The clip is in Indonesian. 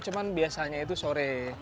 cuma biasanya itu sore